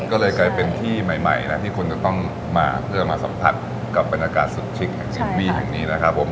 ก็เลยกลายเป็นที่ใหม่นะที่คุณจะต้องมาเพื่อมาสัมผัสกับบรรยากาศสุดชิคแห่งจินบีแห่งนี้นะครับผม